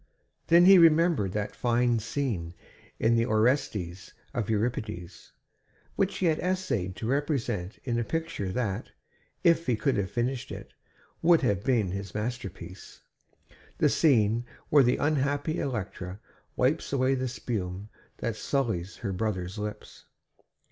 Then he remembered that fine scene in the Orestes of Euripides, which he had essayed to represent in a picture that, if he could have finished it, would have been his masterpiece the scene where the unhappy Electra wipes away the spume that sullies her brother's lips.